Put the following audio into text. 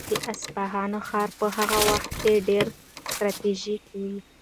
د اصفهان ښار په هغه وخت کې ډېر ستراتیژیک و.